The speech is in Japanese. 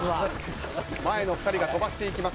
前の２人が飛ばしていきます。